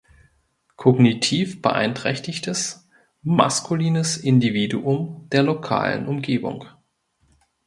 Kognitiv beeinträchtigtes, maskulines Individuum der lokalen Umgebung.